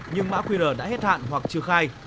nhưng mã qr đã hết hạn hoặc chưa khai